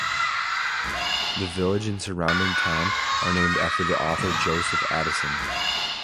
The village and the surrounding town are named after the author Joseph Addison.